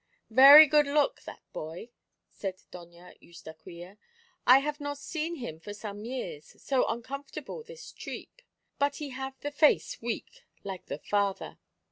"Very good look, that boy," said Doña Eustaquia. "I not have seen him for some years, so uncomfortable this treep. But he have the face weak, like the father.